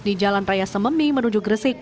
di jalan raya sememi menuju gresik